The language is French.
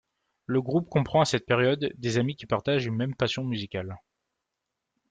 Le groupe comprend à cette période des amis qui partagent une même passion musicale.